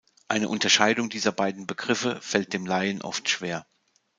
Eine Unterscheidung dieser beiden Begriffe fällt dem Laien oft schwer.